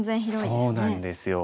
そうなんですよ。